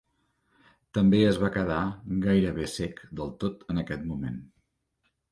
També es va quedar gairebé cec del tot en aquest moment.